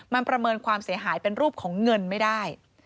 มันประเมินความเสียหายเป็นรูปของเงินไม่ได้